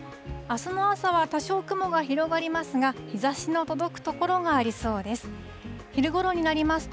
あすの朝は多少雲が広がりますが、日ざしの届く所がありそうです。